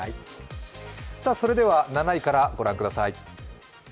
それでは７位からご覧ください。